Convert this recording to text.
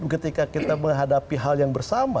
ketika kita menghadapi hal yang bersama